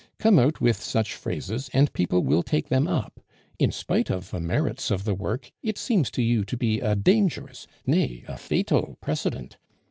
"Come out with such phrases, and people will take them up. In spite of the merits of the work, it seems to you to be a dangerous, nay, a fatal precedent.